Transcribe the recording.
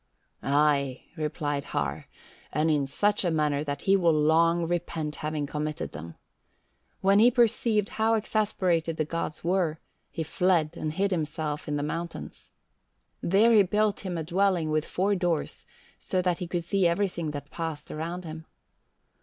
"Ay," replied Har, "and in such a manner that he will long repent having committed them. When he perceived how exasperated the gods were, he fled and hid himself in the mountains. There he built him a dwelling with four doors, so that he could see everything that passed around him.